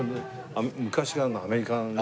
昔からのアメリカのね。